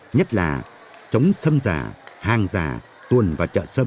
nhất là chống xâm giả hàng giả tuần và chợ xâm